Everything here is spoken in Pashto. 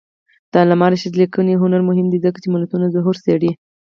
د علامه رشاد لیکنی هنر مهم دی ځکه چې ملتونو ظهور څېړي.